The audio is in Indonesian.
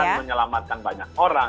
ini akan menyelamatkan banyak orang